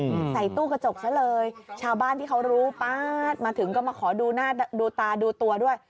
ใส่ตู้กระจกซะเลยชาวบ้านที่เขารู้ป๊าดมาถึงก็มาขอดูหน้าดูตาดูตัวด้วย